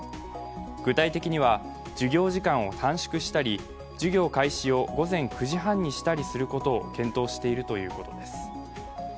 具体的には、授業時間を短縮したり授業開始を午前９時半にしたりすることを検討しているということです。